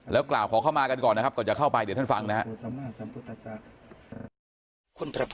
กล่าวขอเข้ามากันก่อนนะครับก่อนจะเข้าไปเดี๋ยวท่านฟังนะครับ